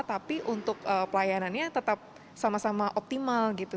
tapi untuk pelayanannya tetap sama sama optimal gitu